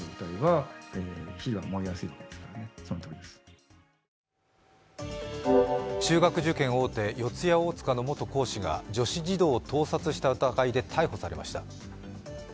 専門家は中学受験大手、四谷大塚の元講師が女子児童を盗撮した疑いで逮捕されました。